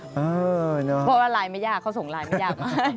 เพราะว่าไลน์ไม่ยากเขาส่งไลน์ไม่ยาก